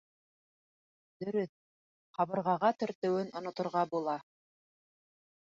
Дөрөҫ, ҡабырғаға тертөүен оноторға була.